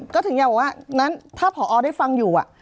ก็ถึงอยากบอกว่างั้นถ้าผอได้ฟังอยู่